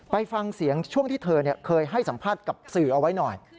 ไปฟังเสียงช่วงที่เธอเคยให้สัมภาษณ์กับสื่อเอาไว้หน่อย